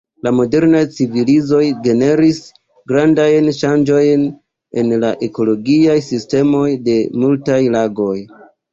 La modernaj civilizoj generis grandajn ŝanĝojn en la ekologiaj sistemoj de multaj lagoj.